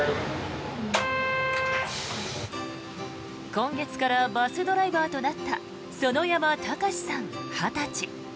今月からバスドライバーとなった園山天志さん、２０歳。